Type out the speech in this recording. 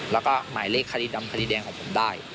แล้วก็หมายเลขคดีดำคดีแดงของผมได้